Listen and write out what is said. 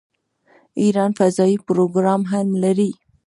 ایران فضايي پروګرام هم لري.